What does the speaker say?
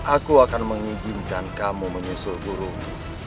aku akan mengizinkan kamu menyusul burung